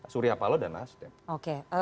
surya paloh dan nasdem